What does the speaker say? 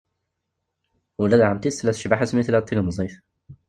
Ula d ɛemti-s tella tecbeḥ asmi tella d tilemẓit.